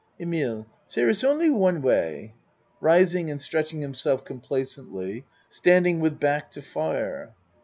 EMILE Sere iss only one way. (Rising and stretching himself complacently, standing with back to fire.)